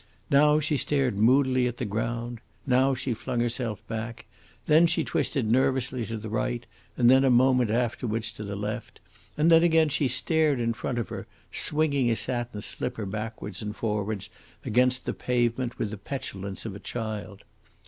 Now she stared moodily at the ground; now she flung herself back; then she twisted nervously to the right, and then a moment afterwards to the left; and then again she stared in front of her, swinging a satin slipper backwards and forwards against the pavement with the petulance of a child.